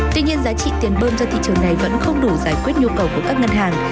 tuy nhiên giá trị tiền bơm ra thị trường này vẫn không đủ giải quyết nhu cầu của các ngân hàng